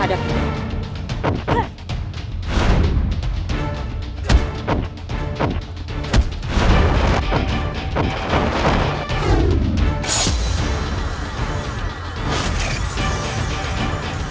waalaikumsalam warahmatullahi wabarakatuh